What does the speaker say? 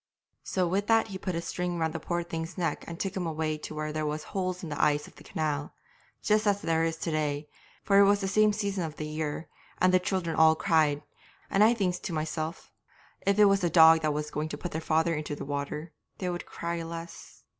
'So with that he put a string round the poor thing's neck and took him away to where there was holes in the ice of the canal, just as there is to day, for it was the same season of the year, and the children all cried; and thinks I to myself, "If it was the dog that was going to put their father into the water they would cry less."